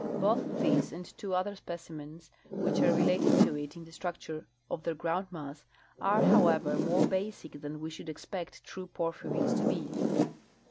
Both this and two other specimens which are related to it in the structure of their groundmass, are, however, more basic than we should expect true porphyries to be.